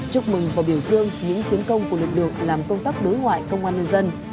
chúc mừng và biểu dương những chiến công của lực lượng làm công tác đối ngoại công an nhân dân